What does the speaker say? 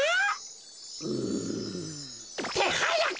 うん。ってはやく！